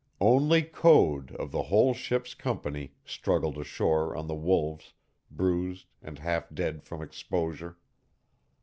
Only Code of the whole ship's company struggled ashore on the Wolves, bruised and half dead from exposure.